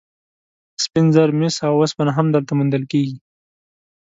سپین زر، مس او اوسپنه هم دلته موندل کیږي.